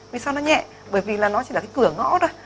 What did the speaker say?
vì sao nó nhẹ bởi vì là nó chỉ là cái cửa ngõ thôi